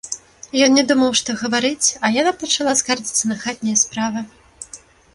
Ён не думаў, што гаворыць, а яна пачала скардзіцца на хатнія справы.